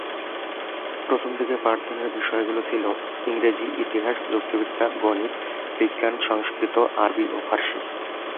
প্রথমদিকে পাঠদানের বিষয়গুলো ছিল- ইংরেজি, ইতিহাস, যুক্তিবিদ্যা, গণিত, বিজ্ঞান, সংস্কৃত, আরবী ও ফারসী।